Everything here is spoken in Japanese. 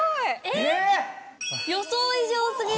・予想以上過ぎる・